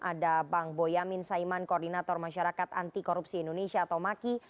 ada bang boyamin saiman koordinator masyarakat anti korupsi indonesia atau maki